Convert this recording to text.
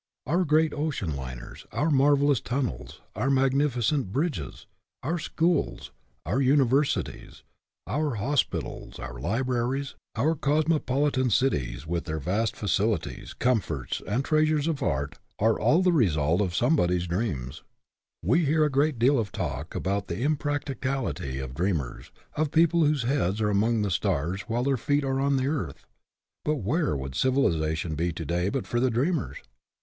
Our great 62 WORLD OWES TO DREAMERS ocean liners, our marvelous tunnels, our magnificent bridges, our schools, our univer sities, our hospitals, our libraries, our cosmopolitan cities, with their vast facilities, comforts, and treasures of art, are all the result of somebody's dreams. We hear a great deal of talk about the impracticality of dreamers, of people whose heads are among the stars while their feet are on the earth; but where would civilization be to day but for the dreamers